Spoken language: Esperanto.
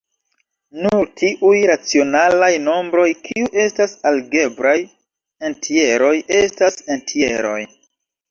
Nur tiuj racionalaj nombroj kiu estas algebraj entjeroj estas entjeroj.